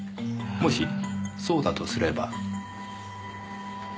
もしそうだとすれば。